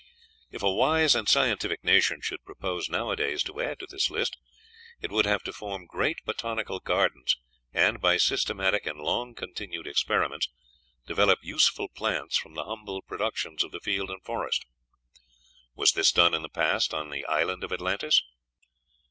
If a wise and scientific nation should propose nowadays to add to this list, it would have to form great botanical gardens, and, by systematic and long continued experiments, develop useful plants from the humble productions of the field and forest. Was this done in the past on the island of Atlantis?